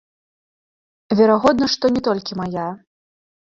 Верагодна, што не толькі мая.